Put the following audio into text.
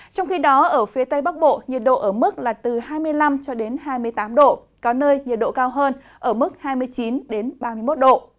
trong khi đó ở phía tây bắc bộ nhiệt độ ở mức là từ hai mươi năm cho đến hai mươi tám độ có nơi nhiệt độ cao hơn ở mức hai mươi chín ba mươi một độ